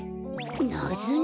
ナズナ？